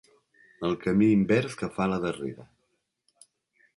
El camí invers que fa la darrera.